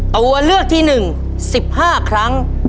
ตัวเลือกที่๑๑๕ครั้ง